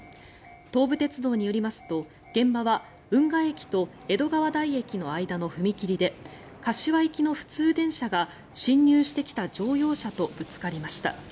東武鉄道によりますと現場は運河駅と江戸川台駅の間の踏切で柏行きの普通電車が進入してきた乗用車とぶつかりました。